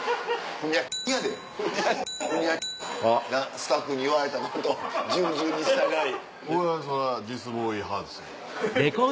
スタッフに言われたこと従順に従い。